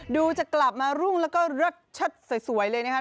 ดูจะกลับมารุ่งแล้วก็เลิศเชิดสวยเลยนะครับ